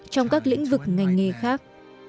trong các lĩnh vực ngành nghề khác